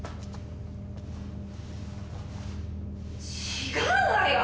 違うわよ！